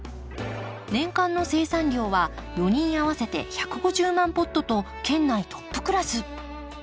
年間の生産量は４人合わせて１５０万ポットと県内トップクラス。